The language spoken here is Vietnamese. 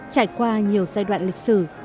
trải qua nhiều giai đoạn lịch sử